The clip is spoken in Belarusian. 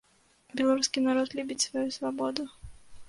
Беларускі народ любіць сваю свабоду.